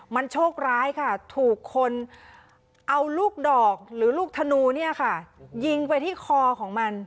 มันโชคร้ายค่ะถูกคนเอาลูกดอกหรือลูกธนูเนี่ยค่ะยิงไปที่คอของมัน